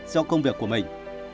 do công việc của mình